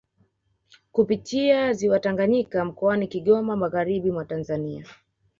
Kupitia ziwa Tanganyika mkoani Kigoma magharibi mwa Tanzania